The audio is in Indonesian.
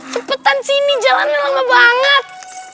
cepetan sini jalannya lengah banget